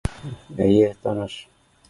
Эйе таныш